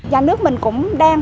và nước mình cũng đang